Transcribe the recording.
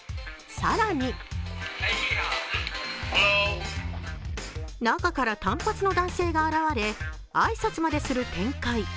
更に中から短髪の男性が現れ、挨拶までする展開。